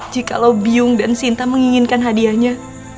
jikalau biung dan sinta menginginkan hadiahnya